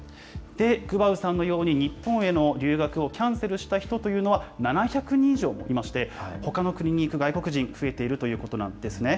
グバウさんのように、日本への留学をキャンセルした人というのは７００人以上もいまして、ほかの国に行く外国人、増えているということなんですね。